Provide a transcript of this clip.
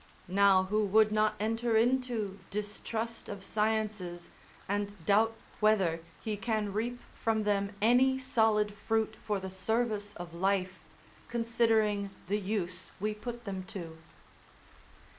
Now, who would not enter into distrust of sciences, and doubt whether he can reap from them any solid fruit for the service of life, considering the use we put them to?